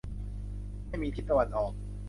ไม่มีทิศตะวันออก